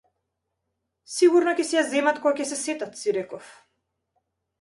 Сигурно ќе си ја земат, кога ќе се сетат, си реков.